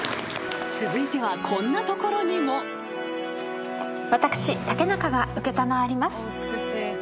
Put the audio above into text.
［続いてはこんなところにも］私タケナカが承ります。